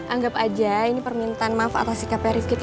anggap aja ini permintaan maaf atas sikapnya rifki